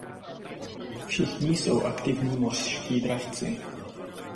Všichni jsou aktivní mořští dravci.